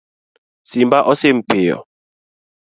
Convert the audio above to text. Simba osim piyo